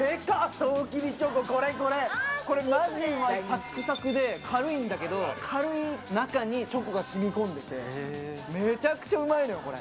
とうきびチョコ、これ、これ、まじうまい、さくさくで軽いんだけど、軽い中にチョコがしみこんでて、めちゃくちゃうまいのよ、これ。